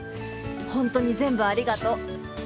本当に全部ありがとう。